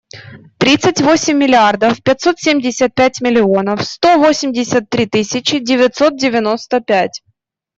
Тридцать восемь миллиардов пятьсот семьдесят пять миллионов сто восемьдесят три тысячи девятьсот девяносто пять.